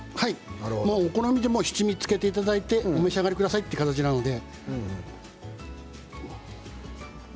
お好みで七味をつけていただいてお召し上がりくださいという形なので。